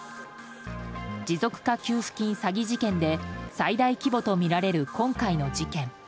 持続化給付金詐欺事件で最大規模とみられる今回の事件。